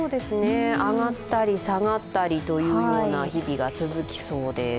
上がったり下がったりというような日々が続きそうです。